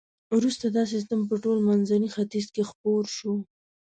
وروسته دا سیستم په ټول منځني ختیځ کې خپور شو.